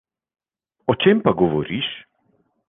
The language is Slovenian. O čem pa govoriš?